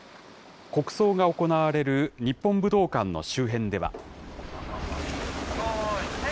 国葬が行われる日本武道館の周辺では。